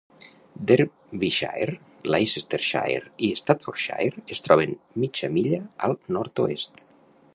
Derbyshire, Leicestershire i Staffordshire es troben mitja milla al nord-oest.